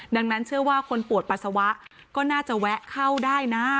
ดังนั้นเชื่อว่าคนปวดปัสสาวะก็น่าจะแวะเข้าได้นะ